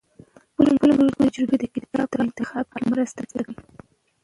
د خپلو ملګرو تجربې د کتاب په انتخاب کې مرسته کوي.